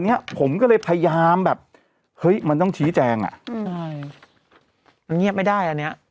เนี้ยผมก็เลยพยายามแบบเฮ้ยมันต้องชี้แจงอ่ะอืมใช่มันเงียบไม่ได้อันเนี้ย